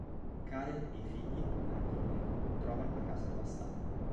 Karen e i figli, al ritorno, trovano la casa devastata.